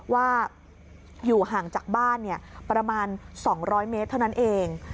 ว่าอยู่ห่างจากบ้านประมาณ๒๐๐เมตรเท่านั้นเอง